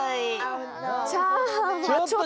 チャーハンはちょっと。